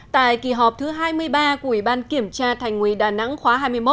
tại kỳ họp thứ hai mươi ba của ủy ban kiểm tra thành ủy đà nẵng khóa hai mươi một